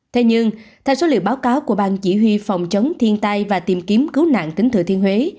thế nhưng theo số liệu báo cáo của bang chỉ huy phòng chống thiên tai và tìm kiếm cứu nạn tỉnh thừa thiên huế